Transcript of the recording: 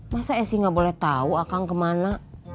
masa esy gak boleh tau akang kemana